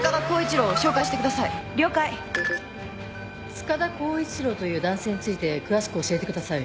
・つかだこういちろうという男性について詳しく教えてください。